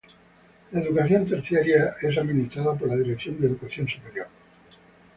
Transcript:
La educación terciaria es administrada por la Dirección de Educación Superior.